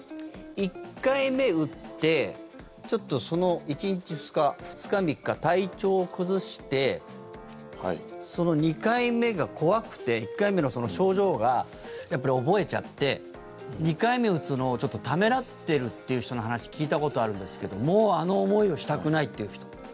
１回目打ってちょっと１日、２日２日、３日体調崩してその２回目が怖くて１回目の症状を覚えちゃって２回目打つのを、ちょっとためらってるっていう人の話聞いたことあるんですけどもう、あの思いをしたくないっていう人。